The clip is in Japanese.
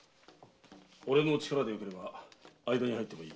俺の力でよければ間に入ってもいい。